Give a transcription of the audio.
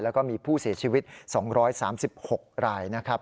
แล้วก็มีผู้เสียชีวิต๒๓๖รายนะครับ